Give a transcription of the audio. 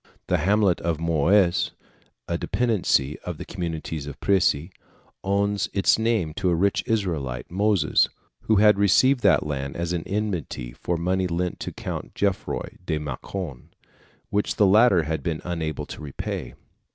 The hamlet of Mouys, a dependency of the communes of Prissey, owes its name to a rich Israelite, Moses, who had received that land as an indemnity for money lent to the Count Gerfroy de Mâcon, which the latter had been unable to repay.